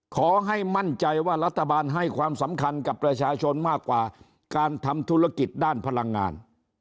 ขอให้มั่นใจว่ารัฐบาลให้ความสำคัญกับประชาชนมากกว่าการทำธุรกิจด้านพลังงาน